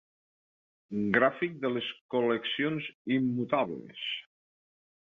Gràfic de les col·leccions immutables.